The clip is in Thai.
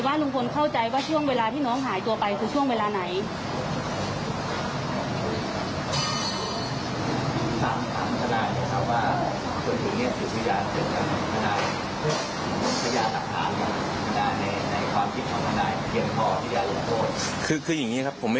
ลุงพลเข้าใจว่าช่วงเวลาที่น้องหายตัวไปคือช่วงเวลาไหน